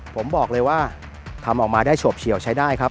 ผมบอกเลยว่าทำออกมาได้โฉบเฉียวใช้ได้ครับ